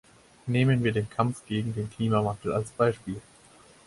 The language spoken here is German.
Nehmen wir den Kampf gegen den Klimawandel als Beispiel.